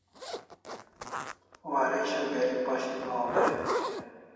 Waresho geri pashik Gohan dai